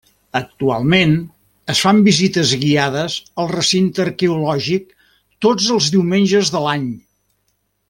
Actualment, es fan visites guiades al recinte arqueològic tots els diumenges de l'any.